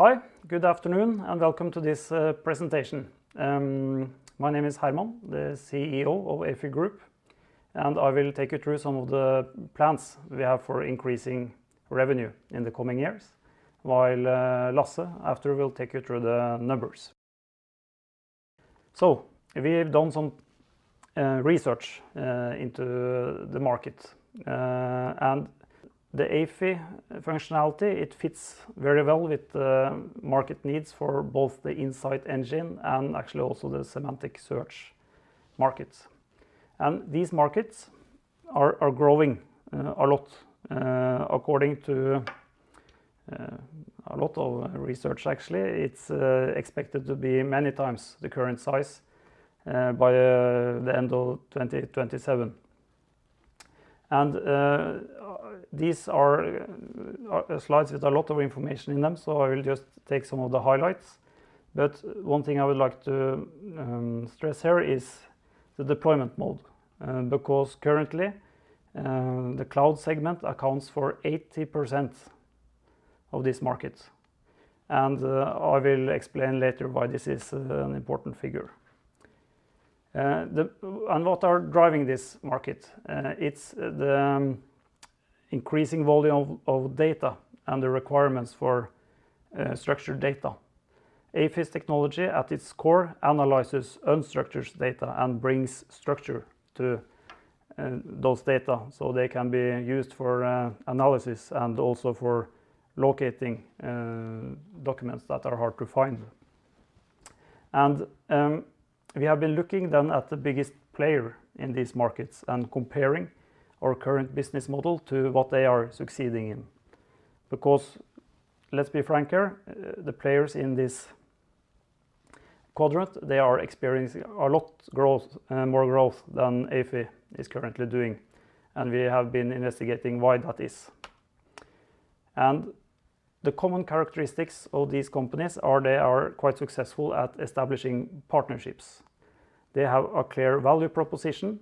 Hi, good afternoon and welcome to this presentation. My name is Herman, the CEO of Ayfie Group, and I will take you through some of the plans we have for increasing revenue in the coming years, while Lasse after will take you through the numbers. So we've done some research uh into the market andthe Ayfie functionality fits very well with the market needs for both the insight engine and actually also the semantic search markets. These markets are growing a lot according to a lot of research actually, it's expected to be many times the current size by the end of 2027. And these are slides with a lot of information in them, so I will just take some of the highlights. One thing I would like to stress here is the deployment mode, because currently, the cloud segment accounts for 80% of this market. I will explain later why this is an important figure. What are driving this market, it's the increasing volume of data and the requirements for structured data. Ayfie's technology at its core analyzes unstructured data and brings structure to those data so they can be used for analysis and also for locating documents that are hard to find. And we have been looking then at the biggest player in these markets and comparing our current business model to what they are succeeding in. Because let's be frank here, the players in this quadrant, they are experiencing a lot of growth, more growth than Ayfie is currently doing, and we have been investigating why that is. And the common characteristics of these companies are they are quite successful at establishing partnerships. They have a clear value proposition,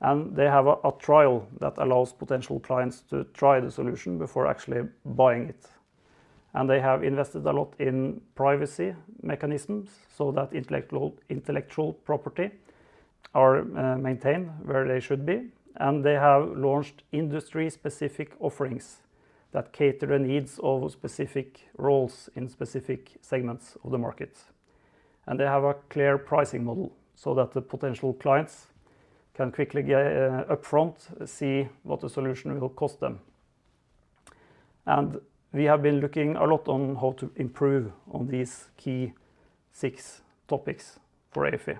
and they have a trial that allows potential clients to try the solution before actually buying it and they have invested a lot in privacy mechanisms so that intellectual property is maintained where they should be. They have launched industry-specific offerings that cater to the needs of specific roles in specific segments of the market. They have a clear pricing model so that the potential clients can quickly upfront see what the solution will cost them. And we have been looking a lot on how to improve on these key six topics for Ayfie.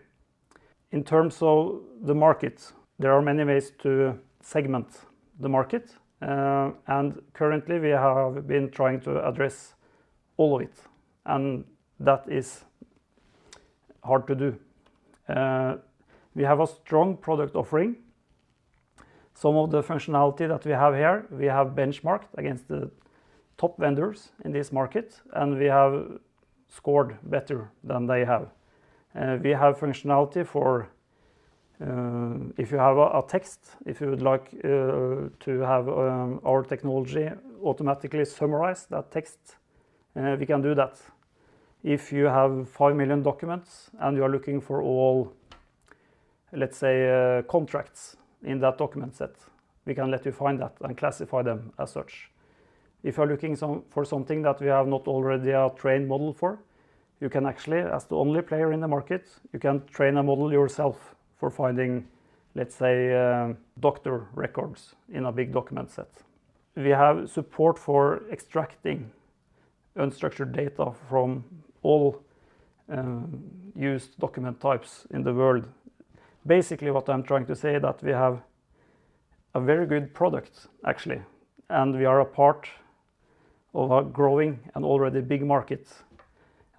In terms of the market, there are many ways to segment the market, and currently we have been trying to address all of it, and that is hard to do. We have a strong product offering. Some of the functionality that we have here, we have benchmarked against the top vendors in this market, and we have scored better than they have. We have functionality for if you have a text, if you would like to have our technology automatically summarize that text, we can do that. If you have five million documents and you are looking for all, let's say, contracts in that document set, we can let you find that and classify them as such. If you're looking for something that we have not already a trained model for, you can actually, as the only player in the market, you can train a model yourself for finding, let's say, doctor records in a big document set. We have support for extracting unstructured data from all used document types in the world. Basically, what I'm trying to say that we have a very good product actually, and we are a part of a growing and already big market.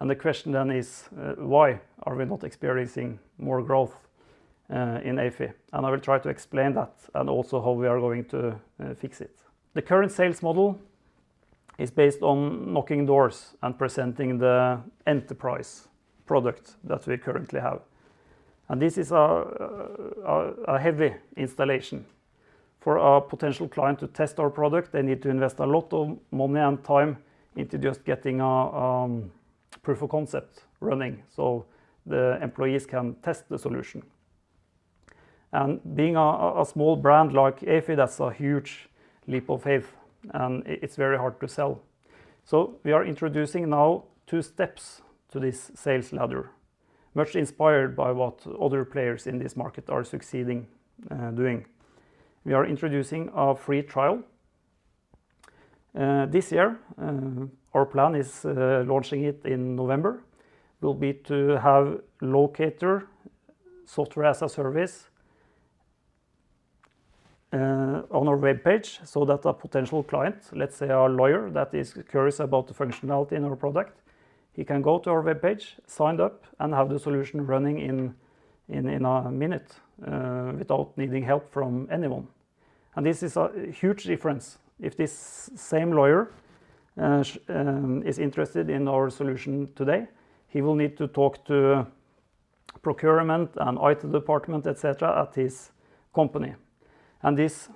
The question then is, why are we not experiencing more growth in Ayfie? I will try to explain that and also how we are going to fix it. The current sales model is based on knocking doors and presenting the enterprise product that we currently have. This is a heavy installation. For a potential client to test our product, they need to invest a lot of money and time into just getting a proof of concept running so the employees can test the solution. Being a small brand like Ayfie, that's a huge leap of faith, and it's very hard to sell. We are introducing now two steps to this sales ladder, much inspired by what other players in this market are succeeding doing. We are introducing a free trial this year. Our plan is launching it in November, will be to have Locator software as a service on our webpage so that a potential client, let's say our lawyer that is curious about the functionality in our product, he can go to our webpage, sign up, and have the solution running in a minute without needing help from anyone. This is a huge difference. If this same lawyer is interested in our solution today, he will need to talk to Procurement and IT department, et cetera, at his company. This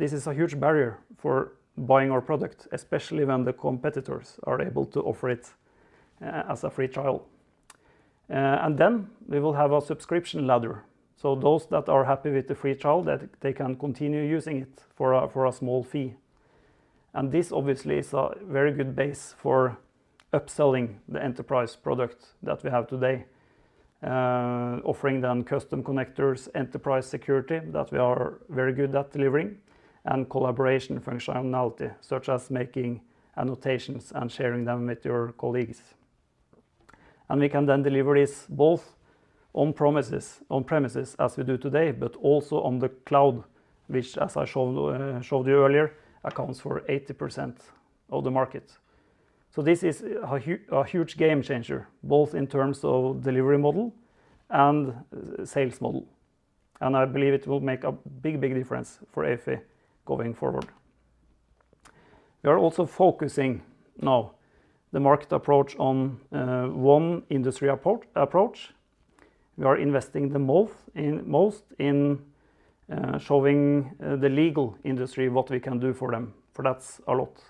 is a huge barrier for buying our product, especially when the competitors are able to offer it as a free trial. We will have a subscription ladder, so those that are happy with the free trial, that they can continue using it for a small fee. This obviously is a very good base for upselling the enterprise product that we have today, uhh offering them custom connectors, enterprise security that we are very good at delivering, and collaboration functionality, such as making annotations and sharing them with your colleagues. We can then deliver this both on-premises as we do today, but also on the cloud, which as I showed you earlier, accounts for 80% of the market. This is a huge game changer, both in terms of delivery model and sales model, and I believe it will make a big difference for Ayfie going forward. We are also focusing now the market approach on one industry approach. We are investing the most in showing the legal industry what we can do for them, for that's a lot.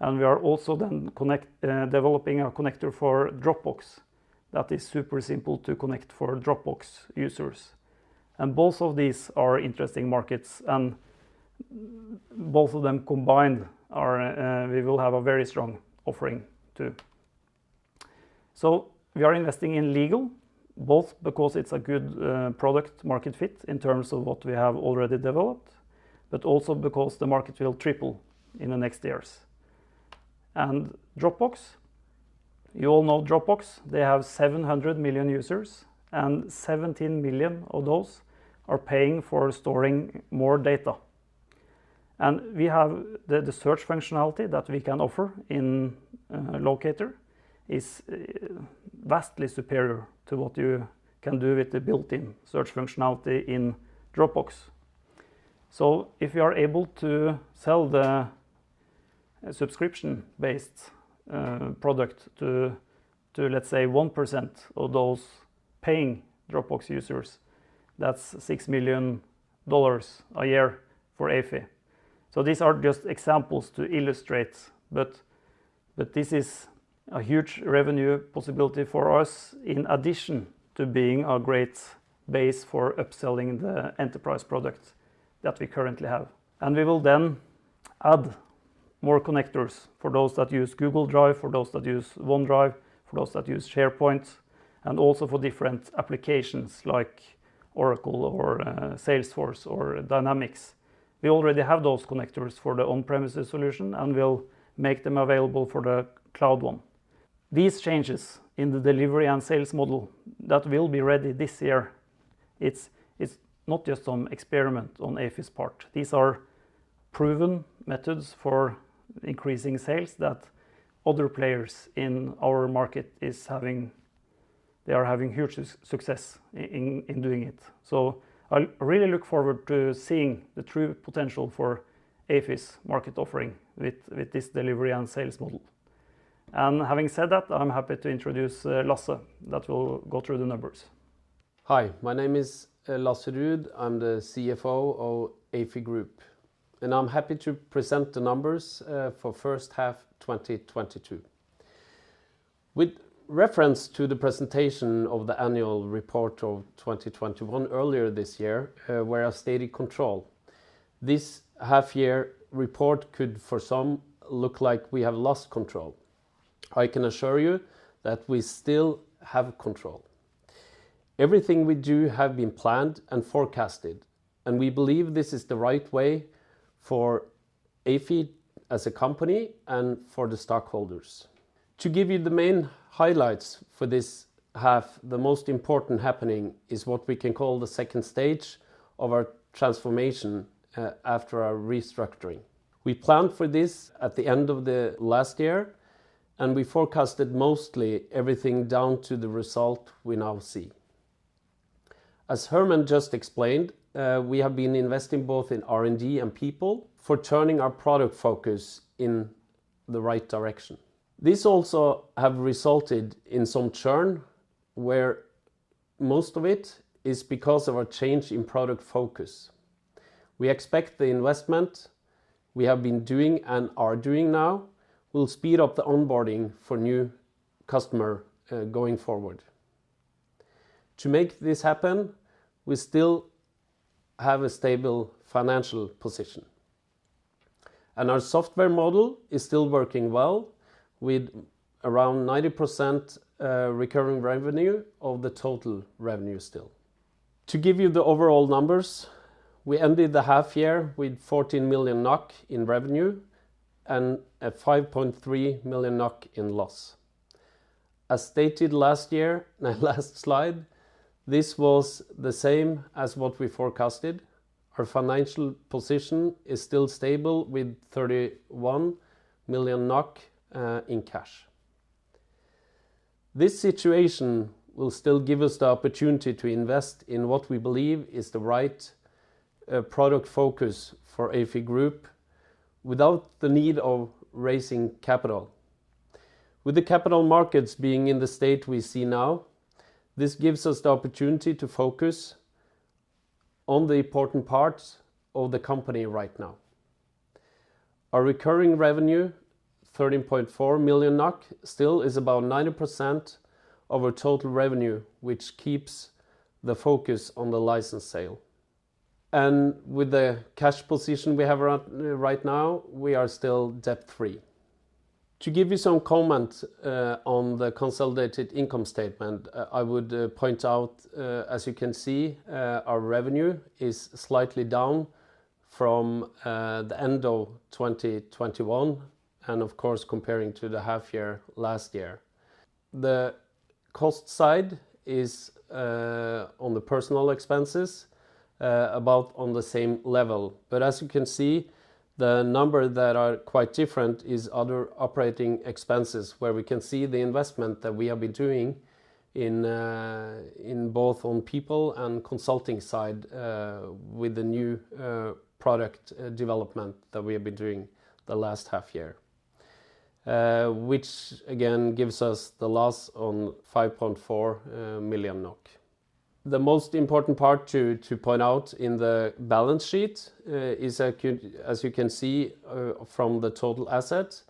And we are also developing a connector for Dropbox that is super simple to connect for Dropbox users. Both of these are interesting markets, and both of them combined, we will have a very strong offering, too. So we are investing in legal, both because it's a good product-market fit in terms of what we have already developed, but also because the market will triple in the next years. Dropbox, you all know Dropbox. They have 700 million users, and 17 million of those are paying for storing more data and we have the search functionality that we can offer in Locator is vastly superior to what you can do with the built-in search functionality in Dropbox. So if you are able to sell the subscription-based product to let's say 1% of those paying Dropbox users, that's $6 million a year for Ayfie. These are just examples to illustrate, but this is a huge revenue possibility for us in addition to being a great base for upselling the enterprise product that we currently have. We will then add more connectors for those that use Google Drive, for those that use OneDrive, for those that use SharePoint, and also for different applications like Oracle or Salesforce or Dynamics. We already have those connectors for the on-premises solution, and we'll make them available for the cloud one. These changes in the delivery and sales model that will be ready this year, it's not just some experiment on Ayfie's part. These are proven methods for increasing sales that other players in our market are having huge success in doing it. I really look forward to seeing the true potential for Ayfie's market offering with this delivery and sales model. Having said that, I'm happy to introduce Lasse that will go through the numbers. Hi. My name is Lasse Ruud. I'm the CFO of Ayfie Group, and I'm happy to present the numbers for first half, 2022. With reference to the presentation of the annual report of 2021 earlier this year, where I stated control, this half-year report could for some look like we have lost control. I can assure you that we still have control. Everything we do have been planned and forecasted, and we believe this is the right way for Ayfie as a company and for the stockholders. To give you the main highlights for this half, the most important happening is what we can call the second stage of our transformation after our restructuring. We planned for this at the end of the last year, and we forecasted mostly everything down to the result we now see. As Herman just explained, we have been investing both in R&D and people for turning our product focus in the right direction. This also have resulted in some churn, where most of it is because of a change in product focus. We expect the investment we have been doing and are doing now will speed up the onboarding for new customer going forward. To make this happen, we still have a stable financial position, and our software model is still working well with around 90% recurring revenue of the total revenue still. To give you the overall numbers, we ended the half year with 14 million NOK in revenue and a 5.3 million NOK in loss. As stated last year, the last slide, this was the same as what we forecasted. Our financial position is still stable with 31 million NOK in cash. This situation will still give us the opportunity to invest in what we believe is the right product focus for Ayfie Group. Without the need of raising capital. With the capital markets being in the state we see now, this gives us the opportunity to focus on the important parts of the company right now. Our recurring revenue, 13.4 million NOK, still is about 90% of our total revenue, which keeps the focus on the license sale. With the cash position we have around right now, we are still debt-free. To give you some comment on the consolidated income statement, I would point out, as you can see, our revenue is slightly down from the end of 2021 and of course comparing to the half year last year. The cost side is on the personal expenses about on the same level. As you can see, the number that are quite different is other operating expenses, where we can see the investment that we have been doing in both on people and consulting side with the new product development that we have been doing the last half year, which again gives us the loss of 5.4 million NOK. The most important part to point out in the balance sheet is as you can see from the total assets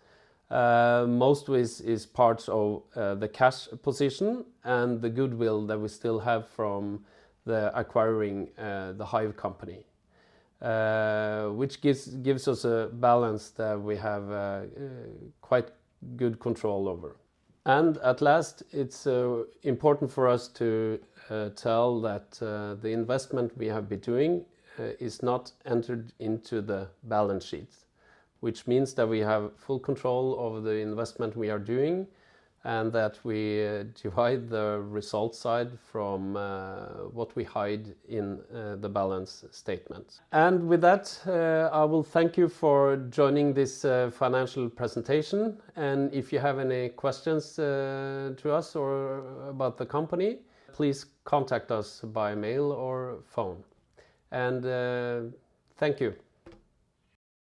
most is part of the cash position and the goodwill that we still have from the acquisition of the Haive company, which gives us a balance that we have quite good control over. At last, it's important for us to tell that the investment we have been doing is not entered into the balance sheets. Which means that we have full control over the investment we are doing and that we divide the result side from what we have in the balance sheet. With that, I will thank you for joining this financial presentation. If you have any questions to us or about the company, please contact us by mail or phone. Thank you.